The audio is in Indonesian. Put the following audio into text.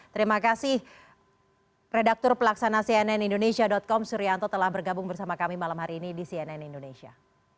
terima kasih redaktur pelaksana cnn indonesia com suryanto telah bergabung bersama kami malam hari ini di cnn indonesia